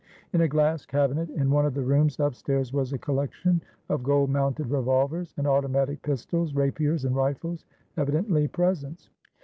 In a glass cabinet in one of the rooms upstairs was a collection of gold mounted revolvers and automatic pistols, rapiers, and rifles, evidently presents.